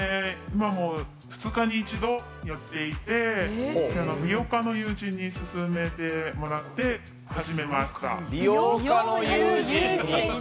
今も２日に一度やっていて、美容家の友人に勧めてもらって始めました。